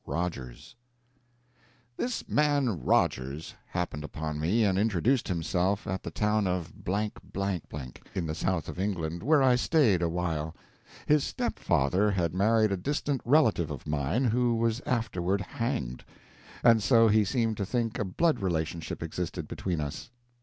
] ROGERS This Man Rogers happened upon me and introduced himself at the town of , in the South of England, where I stayed awhile. His stepfather had married a distant relative of mine who was afterward hanged; and so he seemed to think a blood relationship existed between us.